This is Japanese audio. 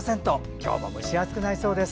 今日も蒸し暑くなりそうです。